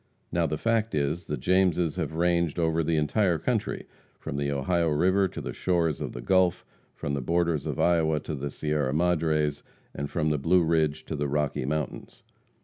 Now the fact is, the Jameses have ranged over the entire country, from the Ohio river to the shores of the Gulf; from the borders of Iowa to the Sierra Madres, and from the Blue Ridge to the Rocky Mountains.